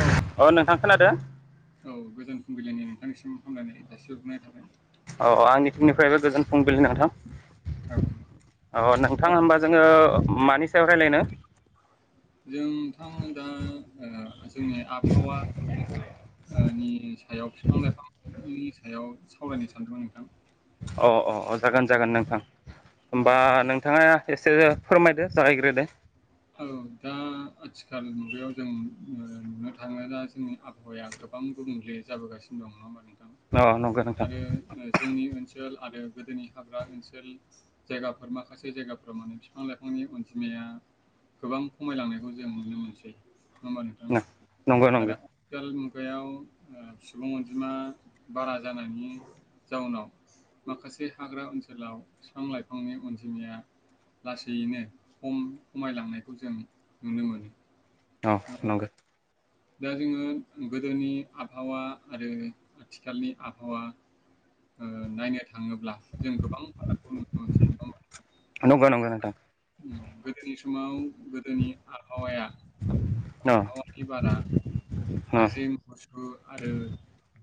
औ अ नोंथां खोनादो औ गोजोन फुंबिलिनि नोंथांनिसिम फुंजानि जासि हरग्रोनाय थाबाय अ आंनि थिंनिफ्रायबो गोजोन फुंबिलि नोंथां औ अ नोंथां दा होमबा जोंङो औ मानि सायाव रायलायनो जों नोंथां दा ओ जोंनि आबहावा ओ नि सायाव फिफां लाइफांनि सायाव सावरायनो सानदोंमोन नोंथां अ अ अ जागोन जागोन नोंथां औ होमबा नोंथांङा एसे फोरमायदो जागायग्रो दो औ दा आथिखाल मुगायाव जोंङो नुनो थांङो दा जोंनि आबहावाया गोबां गोबां गुबुंले जाबोगासिनो दं नंङाहोमबा अ नंगौ नोंथां आरो ओ जोंनि ओनसोल आरो गोदोनि हाग्रा ओनसोल जायगाफोर माखासे जायगाफोराव माने बिफां लाइफांनि अनजिमाया गोबां खमायलांनायखौ जों नुनो मोनसै नंङा होमबा नोंथां नंगौ नंगौ आरो आथिखाल मुगायाव ओ सुबुं अनजिमा बारा जानायनि जाउनाव माखासे हाग्रा ओनसोलाव बिफां लाइफांनि अनजिमाया लासैयैनो खम खमायलांनायखौ जों नुनो मोनो नङा औ होमबा? नंगो दा जोंङो गोदोनि आबहावा आरो आथिखालनि आबहावा ओ नायनो थांङोब्ला जों गोबां फारागखौ नुनो मोनसै नंङाहोमबा नंगौ नंगौ नोंथां नोंथां उम गोदोनि समाव गोदोनि आबहावाया अ आबहावानि बारा अ थाजिम गुसु आरो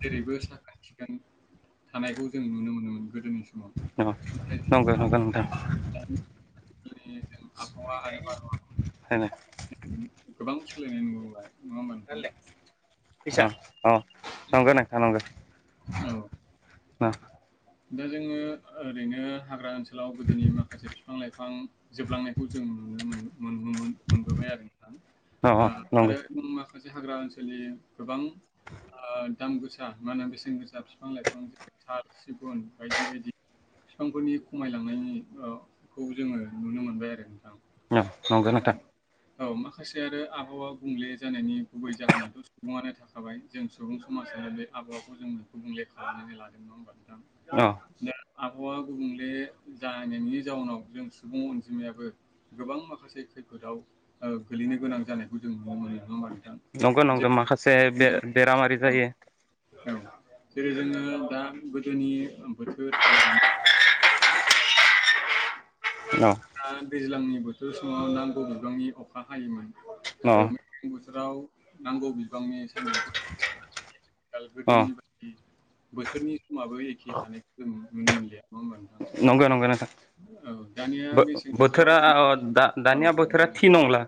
जेरैबो साखोन सिखोन जों थानायखौ जों नुनो मोनोमोन गोदोनि समाव। नंगो नाथाय जों नंगो नंगो नोंथां दानि आथिखालनि जों आबहावा आरो बारहावाखौ द गोबां [inaudible] सोलायनाय नुबोबाय नंङा [inaudible] बिदिसो अ नंगो नोंथां नंगो औ दा जोंङो ओरैनो हाग्रा ओनसोल सोलाव गोदोनि माखासे बिफां लाइफां जोबलांनायखौ जों नुनो मोनो मोनोमोन मोनबोबाय आरो नोंथां ओ नंगौ आरो माखासे खासे हाग्रा ओनसोलनि गोबां आ दाम गोसा माहोनो बेसेन गोसा फिफां लाइफां जेरै साल सिगुन बायदि बायदि फिफांफोरनि खमायलांनायनि औ खौ जोंङो नुनो मोनबाय आरो नोंथां ओ नंगो औ नोंथां औ माखासे आरो आबहावा गुबुंले जानायनि गुबै जाहोनाथ' सुबुंङानो थाखाबाय जों सुबुं समाज जोङो बे आबहावाखौ जोंङो गुबुंले खालामनानै लादों नंङा होमबा नोंथां? औ दा आबहावा गुबुंले जाहैनायनि जाउनाव जों सुबुं अनजिमायाबो गोबां माखासे खैफोदाव ओ गोलैनो गोनां जानायखौ जों नु नंगो नंगो माखासे बे बेरामारि औ जायो औ जेरै जोंङो दा गोदोनि बोथोर आरो दानि अ दा दैज्लांनि बोथोर समाव नांगौबिबांनि अखा हायोमोन औ राव नांगौ बिबांनि सान्दुंफोर दाल अ गोदोनि बायदि बोसोरनि समाबो एखे थानायखौ जों नुनो मोनलिया नङा होमबा नोंथां नंगो नंगो नोंथां औ दानिया बो मेसें बोथोराव बोथोरा जों अ दा औ दानिया नंगौ बोथोरा थि नोंथां नंला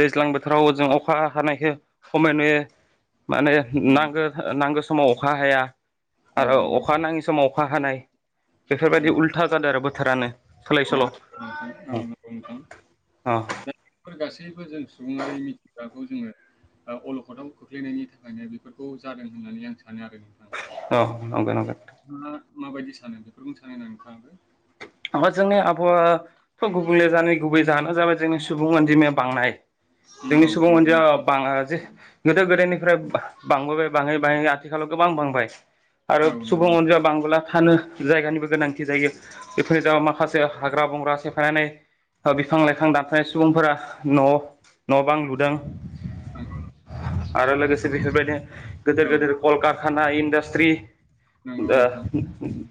दैज्लां बोथोराव जों अखा हानायखौ खमै नुयो माने नंगौ नांगो ओ नांगो समाव अखा हाया औ आरो नंगौ अखा नांङि समाव अखा हानाय औ नंगौ नोंथां बेफोरबायदि उल्था जादों आरो बोथोरानो सोलाय औ सोल'ओम नंगौ नोंथां अ बे जों सुबुङारि मिथिग्राखौ जोङो [unintelligible] अलखदाव खोख्लैनायनि थाखायनो बेफोरखौ जादों होननानै आं सानोदों औ नगाय नंगोन [unintelligible] नोंथाङा माबायदि सानो बेफोरखौनो सानोना नोंथां ओमफ्राइ जोंनि आबहावा'थ गुबुंले जानाय गुबै जाहानोा जाबाय जोंनि सुबुं अनजिमाया बांनाय जोंनि औ सुबुं ओ नंगौ अनजया नोंथां। गोदो गोदायनिफ्राय बांबोबाय बाङै बाङै आथिखालाव गोबां बांबाय आरो औ नंगौ सुबुं नोंथां। अनजिाया बांबोला थानो जायगानिबो गोनांथि जायो बेफोर जाब माखासे हाग्रा बंग्रा सेफायनानै बिफां लाइफां दानफनाय सुबुंफोरा न' न' बां लुदों औ आरो लोगोसे बेफोरबायदिनो गोदोर औ गोदोर कलकारखाना इन्डास्ट्रि नंगौ दा नोंथां।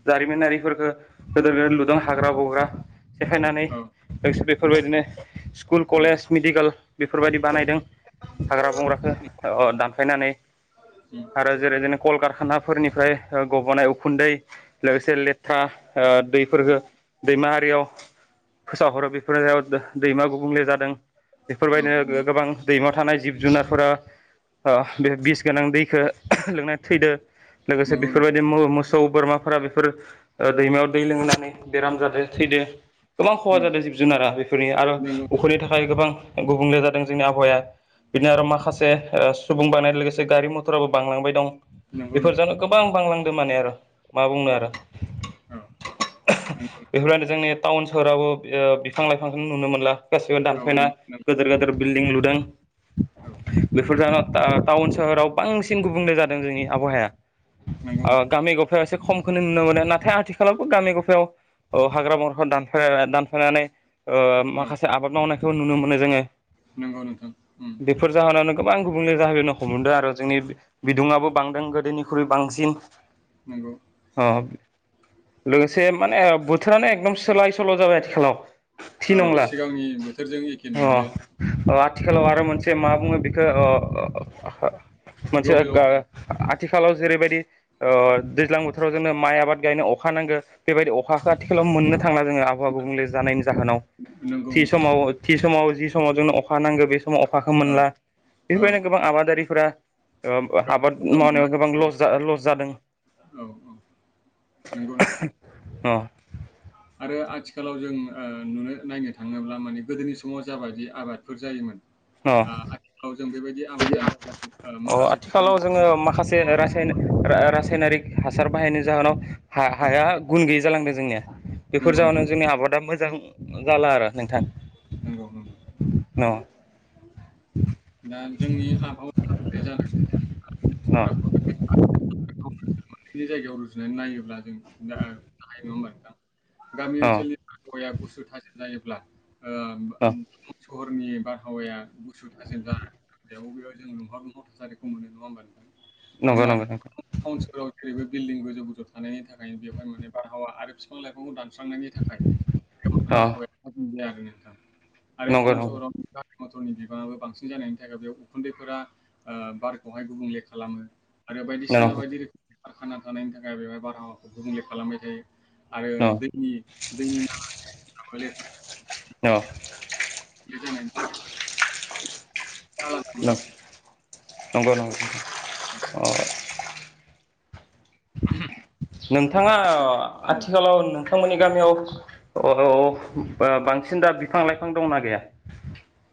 जारिमिनारिफोरखो गोदोर गोद लुदों हाग्रा बंग्रा सेेखायनानै औ लोगोसे बेफोरबायदिनो स्कुल औ कलेज मेडिकेल बेफोरबायदि बानायदों हाग्रा बंग्रखौ दानफायनानै आरो जेरै जोंनो कलकाराना फोरनिफ्राय गब'नाय उखुन्दै लोगोसे लेथ्रा। बेरखो दैमाहारियाव फोसावहरो बेफोराव दै दैमा गुबुंले जादों बेफोरबायदिनो उम गोबां दैमा थानाय जिब जुनारफोरा ओ बे बिस गोनां दैखो लोंनाय थैदों लोगोसे नंगौ औ नंगौ नोंथां। बेफोरबायदि मोसौ बोरमाफोरा बेफोर दैमायाव दै लोंनानै बेराम जादो थैदो गोबां खहा उम जादों जिब जुनारा बेफोरनि आरो नंगौ उखनि थाखाय गोबां गुबुंले जादों जोंनि आबहावाया। बिनो आरो माखासे सुबुं बायनाय लोगोसे गारि मथराबो बांलांबाय दं नंगौ बेफोर नंगौ जानो गोबां बांलांदों माने आरो मा बुंनो आरो औ ओहो नंगौ बेफोरनो जोंनि टाउन सोहोरावबो बिफां लाइफांखौ नुनो मोनला। गासिबो औ दानफायना नों नों गिदेर गदेर बिल्डिं लुदों औ बेफोर ज टाउन सोहराव बांसिन गुबुंले जानाय-‌- जोंनि आबहावाया नंगौ नोंथां गामि गफाया एसे खमखौनो नुनो मोनो नाथाय आथि' गामि गफायाव हाग्रा महरखौ दान दानफायनानै ओ औ माखासे आबाद मावनायखौ नुनो मोनो जोङो नंगौ नोंथां उम बेफोर जाहोनावनो गोबां गुबुंले जाहनखौ मोनदों आरो जोंनि बिदुङाबो बांदों गोदोनिख्रुइ बांसिन नंगौ अ लोगोसे माने बोथोरानो एकदम सोलाय सोल' जाबाय आथिखालाव। थि औ नंला सिगांनि बोथोरजों एखे नंलिया अ औ। आथिखालाव आरो मोनसे ज मा बुङो बेखौ अ अ ओहो मोनसे ग्लबेल गा वार्मिं आथिखालाव जेरैबायदिओ दैज्लां बोथोराव जोंङनो माइ आबाद गायनो अखा नांगौ बेबायदि अखाखौ आथिखालाव मोननो थांला जोङो आबहावा गुबुंले जानायनि जाहोनाव नंगौ थि नोंथां समाव थि समाव जि समाव जोंनो अखा नांगौ बे समाव अखाखौ औ मोनला औ बेफोरबायदिनो गोबां आबादारिफोरा ओ गोबां आबाद खस्थ' मावनायाव मोनबाय गोबां ल लस जादों ओसामा औ औ नंगौ नोंथां अ आरो आथिखालाव जों नुनो नायनो थाङोब्ला माने गोदोनि समाव जाबायाददि आबादफोर जायोमोन अ आथिखालाव जों बेबायदि आबाद जानाय अ माखासे आथिखालाव [unintelligible] जोङो माखासे र रासायनारिक हासार बाहायनि जाहोनाव औ हाया गुन गैयै जालांदों जोंनिया बेफोर नंगौ जउ न जोंनि आबादा मोजां जाला आरो नोंथां न औ [unintelligible] न' न' दा जोंनि आबहावा [unintelligible] या औ [unintelligible] बिनि जायगायाव रुजुनानै नायोब्ला जों दा गामि ओनसोलनि अ आहावाया गुसु थाजिम जायोब्ला अ सहरनि बारहावाया गुसु थाजिम जानाय याव बेबादिनो दुंहाव दुंहाव थासारिखौ मोनो नङा होमबा नोंथां नंगौ दा नंगौ नोंथां टावन सहराव बे बिल्डिं गोजौ गोजौ थानायनि थाखाय बेवहाय माने बारहावा आरो बिफां लाइफांखौ दान दानस्रांनायनि थाखाय गोबां अ बारहावाया गुबुंले जालांदों नोंथां आरो नंगौ टावन नंगौ सहराव गारि-मटरनि बिबाङाबो बांसिन जानायनि थाखाय बेयाव उखुन्दैफोरा बारखौहाय गुबुंले खालामो आरो बायदिसिना नंगौ बायदि रोखोमनि खारखाना थानायनि थाखाय बेवहाय बारहावाखौ गुबुंले खालामबाय थायो आरो न' दैनि दैनि ना [inaudible] अ बेदि औ न' नंगौ नंगौ नोंथाङा औ। आथिखालाव नोंथमोननि गामियाव बांसिन दा बिफां लाइफां दंना गैया?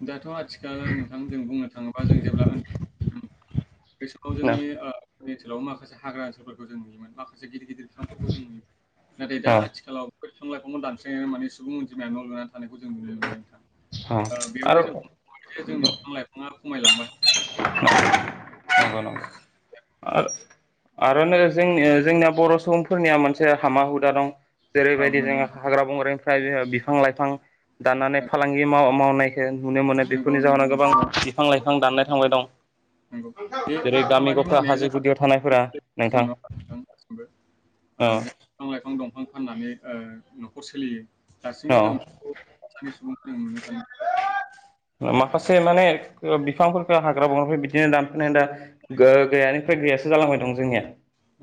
दाथ' आथिखाल नोंथां जों बुंनो थाङोब्ला जों जेब्ला उन्दै बे समाव न जोंनि ओनसोलाव माखासे हाग्रा ओनसोलफोरखौ जों नुयोमोन माखासे गिदिर गिदिर बिफांफोरखौ जों नुयोमोन नाथाय दा अ आथिखालाव बेफोर बिफां लाइफांखौ दानस्रांनानै माने सुबुं अनजिमाया न' लुनानै थानायखौ जों नुनो मोनबाय नोंथां अ बेयावनो आरो जोंनि बिफां लाइफाङा खमायलांबाय नंगौ नंगौ। आरोनो जोंनि जोंनिया बर' सुबुं फोरनिया मोनसे हामा हुदा दं औ जेरैबायदि नंगौ जोङो नोंथां। हाग्रा बंग्रानिफ्राय जोङो बिफां लाइफां दान्नानै फालांगि मावनायखौ नुनो मोनो नंगौ बेफोरनि नंगौ जाहोनाव गोबां नोंथां मानसिफोरा बिफां दाननो थांबाय दं नंगौ। बे बे जेरै गामि खामानि गफा मावनाया हाजो जोंहा गुदियाव थानायफोरा नङा नोंथां होमबा दासिमबो। औ बिफां लाइफां दंफां फाननानै न'खर सोलियो दासिमबो जों औ साफा सानै सुबुं नुनो थाङो माखासे माने बिफांफोरखौ हाग्रा बंग्राफोर बिदिनो दानफायनानै दा गैयानिफ्राय गैया सो जालांबाय दं जोंनिया।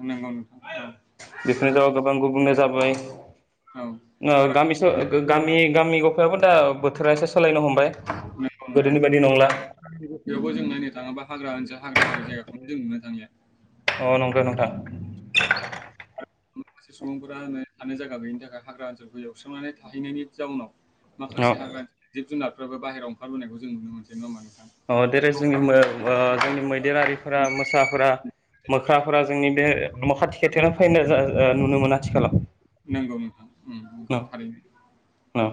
नंगौ नोंथां औ औ बेफोरनि जाउनाव गोबां गुबुंले जाबोबाय हाग्रा गामिसो गामि गामि गफायावबो दा बोथोरा एसे सोलायनो हमबाय गोदोनि बायदि नंला बेयावबो जों नायनो थाङोबा हाग्रा ओनसोल हाग्रा बारि जायगाखौनो जों नुनो थांलिया औ नंगो नोंथां माखासे सुबुंफोरा होनो थानो जायगा गैयनि थाखाय हाग्रा ओनसोलखौ एवस्रांनानै थाहैनायनि जाउनाव अ माखासे हाग्राानि जिब जुनारफ्राबो बाहेरायाव ओंखारबोनायखौ जों नुनो मोनसै नङा होनबा नोंथां? उम जेरै जोंनि जोंनि मैदेरारिफोरा मोसाफोरा मोख्राफोरा जोंनि बे न' खाथि खाथियावनो फैनाय नुनो मोनो आथिखालाव नंगौ नोंथां उम नंगौ थारैनो औ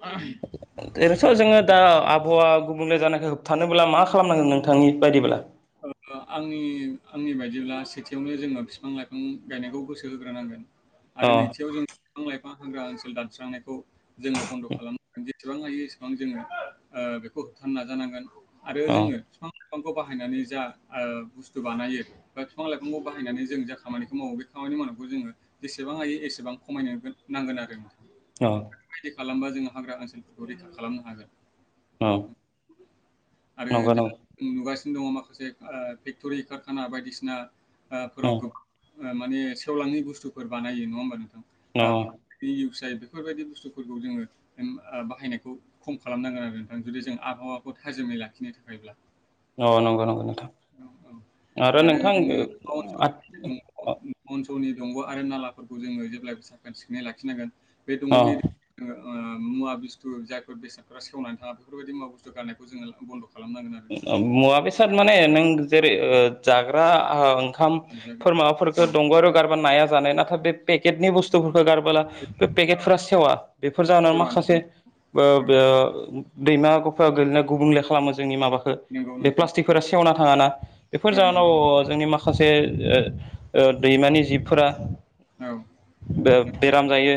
आ ओरैनोथ' जोङो दा आबहावा गुबुंले जानायखौ होबथानोब्ला मा खालामनांगोन नोंथांनि बायदिब्ला? औ आंनि आंनि बायदिब्ला सेथियावनो जोङो बिफां लाइफां गायनायखौ गोसो होग्रोनांगोन अ आरो नैथियाव जों बिफां-लाइफां हाग्रा ओनसोल दानस्रांनायखौ जोङो बन्द' खालामनांगोन जे जेसेबां हायो एसेबां जोङो बेखौ होबथानो नाजानांगोन आरो अ जोङो बिफां बिफांखौ बाहायनानै जा बुस्थु बानायो बा बिफां लाइफांखौ बाहायनानै जों जा खामानिखौ मावो बे खामानि मावनायखौ जोङो जेसेबां हायो एसेबां खमायनो नांगोन आरो नोंथां औ बेबायदि खालामबा जोङो हाग्रा ओनसोलफोरखौ रैखा खालामनो हागोन औ आरो दा नुगासिनो दङ माखासे ओ फेक्टरि कारखाना बायदिसिना ओ अ फोराव गोबां माने सेवलाङि बुस्थुफोर बानायो नङा होमबा नोंथां अ आ [unintelligible] जायो बेफोरबायदि बुस्थुफोरखौ जोङो ओम ओ बाहायनायखौ खम खालामनांगोन आरो जुदि जों आबहावाखौ थाजोमै लाखिनो थाखायब्ला अ नंगौ नंगौ नोंथां औ आरो आ जोङो [unintelligible] दौनि दंग आरो नालाफोरखौ जोङो जेब्लायबो साखोन सिखोनै लाखिनांगोन बे दंगनि अ जोङो ओ मुवा बिस्थु जायफोर बेसादफ्रा सेवनानै थाङा बेफोरबायदि मुवा बुस्थु गारनायखौ जोङो बन्द खाला मुवा बेसाद माने नों जेरै ओ जाग्रा आं खाम फोर नुजागोन औ माबाफोरखो दंग आरो गारबा नाया जानाय ना खा बे पेकेटनि बुस्थुफोर होगारबोला बे पेकेटफोरा सेवा बेफोर जाउनाव सैथोआनो माखासे् औ दैमा गफायाव गोलैना गुबुंले खालामो जोंनि माबा फोर नंगौ बे नोंथां औ प्लास्टिकफोरा सेवना थाङाना बेफोर औ जाहोनाव नंगौ नों ओ जोंनि माखा खासे ओ दैमानि जिबफोरा औ बेराम जायो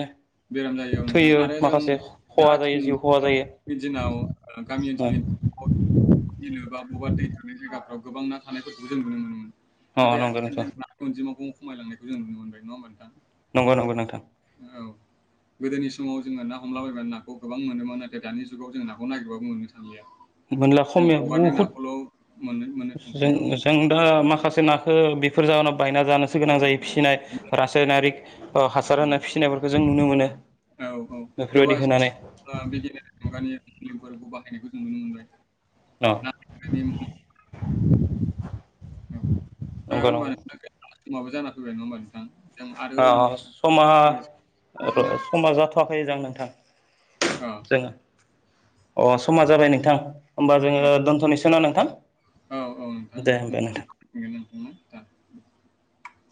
बेराम जायो औ नोंथां थैयो आरो जों माखासे दा खहा जायो जिउ खहा आथिखा जायो बि दिनाव गामि ओनसोलनि बिलो बा बबेबा दै थांनाय जायगाफ्राव गोबां ना थानायफोरखौ जों नुनो मोनोमोन अ नाथाय नंगौ आथिखालि नोंथां जों ना अनजिमाखौ खमायलांनायखौ जों नुनो मोनबाय नङा होमबा नोंथां नंगौ नंगौ नोंथां औ गोदोनि समाव जोङो ना हमलाबायबानो नाखौ गोबां मोनोमोन नाथाय दानि जुगाव जों नाखौ नागिरबाबो मोननो थांलिया मोनला जों खमिबाय हगारनाय बहुद नाखौल' मोननो मोननो थांसै जों औ मोजां दा माखासे नाखो बेफोर जाहोनाव बायना जानोसो गोनां जायो फिसिनाय रासायनारिक ओ हासार होनाय फिसिनायफोरखौ जों नुनो मोनो औ औ फुख्रिबा बेफोरबायदि होनानै [unintelligible] मुगानि फोरखौ बाहायनायखौ जों नुनो अ मोनबाय [unintelligible] औ दा नंगौ होमबा नंगौ नोंथा बो जाना फैबाय नङा होमबा नोंथां जों आरो अ उनाव समा र समा जाथयाखैदां नोंथां अ जोङो अ समा जाबाय नोंथां होमबा जोङो दोनथनोसै ना नोंथां औ औ नोंथां दे उनाव ओंदे नोंथां [unintelligible]